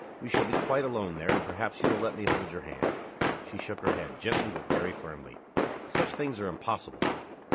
We shall be quite alone there and perhaps you will let me hold your hand." She shook her head, gently but very firmly. "Such things are impossible."